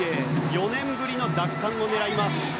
４年ぶりの奪還を狙います。